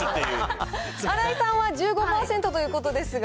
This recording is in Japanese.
新井さんは１５％ということですが。